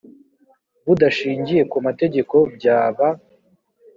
budashingiye ku mategeko byaba